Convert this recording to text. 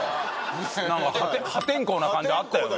破天荒な感じあったよね。